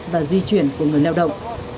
và di chuyển của người leo động